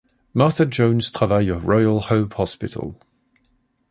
Martha Jones travaille au Royal Hope Hospital.